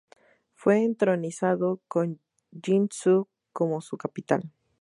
Fue entronizado, con Yin Xu como su capital.